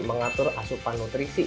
mengatur asupan nutrisi